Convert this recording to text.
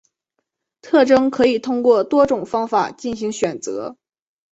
特征可以通过多种方法进行选择。